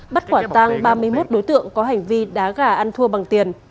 bắt quả tang ba mươi một đối tượng có hành vi đá gà ăn thua bằng tiền